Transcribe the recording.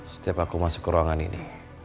setiap aku masuk ke ruangan ini